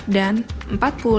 dan empat puluh lima enam puluh ml